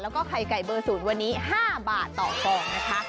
แล้วก็ไข่ไก่เบอร์๐วันนี้๕บาทต่อฟองนะคะ